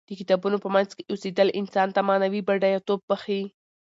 د کتابونو په منځ کې اوسیدل انسان ته معنوي بډایه توب بښي.